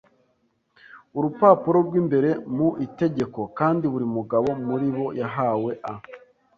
urupapuro rwimbere mu itegeko; kandi buri mugabo muri bo yahawe a